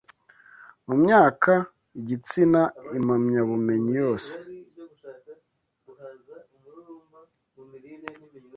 mumyaka igitsina impamyabumenyi yose